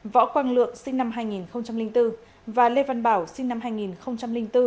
võ quang lượng sinh năm hai nghìn bốn và lê văn bảo sinh năm hai nghìn bốn